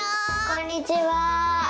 こんにちは。